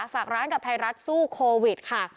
ฝากร้านกับไทยรัฐสู้โควิดค่ะ